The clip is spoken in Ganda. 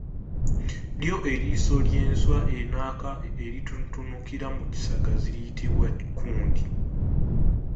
Lyo eriiso ly’enswa ennaka eritutunukira mu kisagazi liyitibwa kkundi.